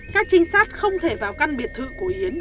các trinh sát không thể vào căn biệt thự của yến